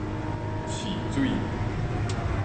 飼水